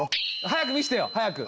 早く見せてよ早く！